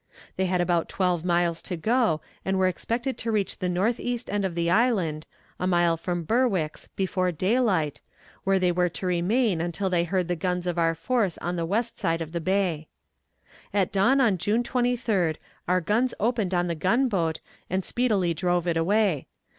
They had about twelve miles to go, and were expected to reach the northeast end of the island, a mile from Berwick's, before daylight, where they were to remain until they heard the guns of our force on the west side of the bay. At dawn on June 23d our guns opened on the gunboat and speedily drove it away.